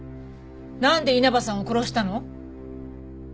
なんで稲葉さんを殺したの？